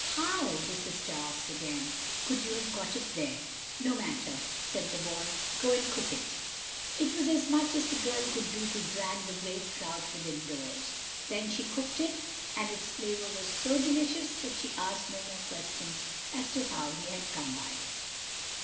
"How," the sister asked again, "could you have got it there?" "No matter," said the boy; "go and cook it." It was as much as the girl could do to drag the great trout within doors. Then she cooked it, and its flavor was so delicious that she asked no more questions as to how he had come by it.